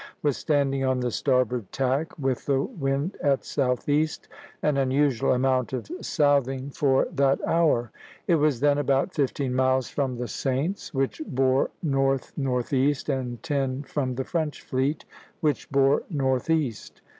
was standing on the starboard tack, with the wind at southeast, an unusual amount of southing for that hour (Plate XXI., A). It was then about fifteen miles from the Saints, which bore north northeast, and ten from the French fleet, which bore northeast.